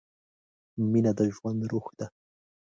مینه د ژوند روح ده.